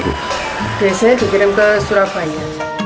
biasanya dikirim ke surabaya